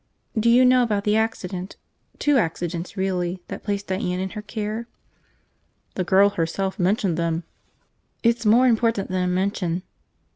"Do you know about the accident – two accidents, really, that placed Diane in her care?" "The girl herself mentioned them." "It's more important than a mention."